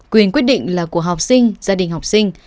quyền quyết định là của học sinh gia đình học sinh